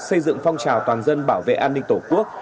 xây dựng phong trào toàn dân bảo vệ an ninh tổ quốc